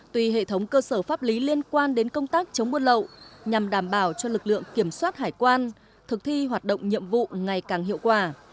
tùy hệ thống cơ sở pháp lý liên quan đến công tác chống buôn lậu nhằm đảm bảo cho lực lượng kiểm soát hải quan thực thi hoạt động nhiệm vụ ngày càng hiệu quả